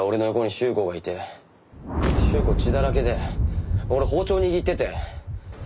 朱子血だらけで俺包丁握ってて。